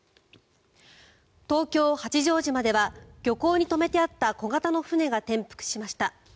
東京・八丈島では漁港に止めてあった小型の船が転覆しました。